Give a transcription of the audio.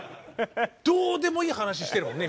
どうでもいい話してるもんね